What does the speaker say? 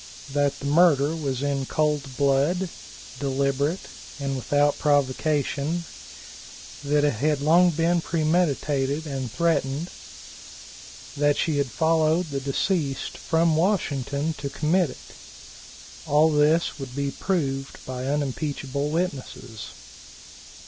That the murder was in cold blood, deliberate and without provocation; that it had been long premeditated and threatened; that she had followed the deceased from Washington to commit it. All this would be proved by unimpeachable witnesses.